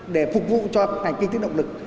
để phục vụ cho hành kinh tế động lực